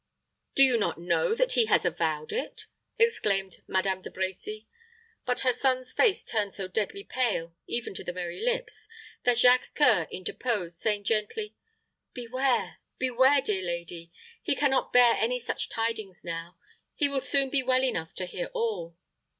"Do you not know that he has avowed it?" exclaimed Madame De Brecy; but her son's face turned so deadly pale, even to the very lips, that Jacques C[oe]ur interposed, saying gently, "Beware beware, dear lady. He can not bear any such tidings now. He will soon be well enough to hear all."